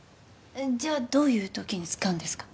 じゃどういうときに使うんですか？